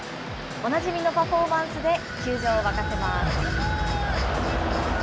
おなじみのパフォーマンスで球場を沸かせます。